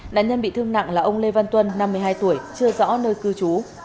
nạn nhân bị thương nặng là ông lê văn tuân năm mươi hai tuổi chưa rõ nơi cư trú